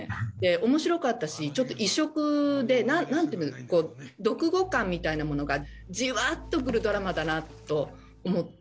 おもしろかったしちょっと異色でなんていうんだろう読後感みたいなものがじわっとくるドラマだなと思って。